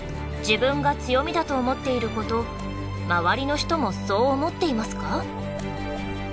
自分が強みだと思っていること周りの人もそう思っていますか？